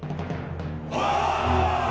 お！